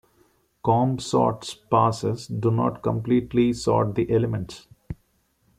Comb sort's passes do not completely sort the elements.